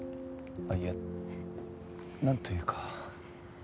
あっいやなんというか。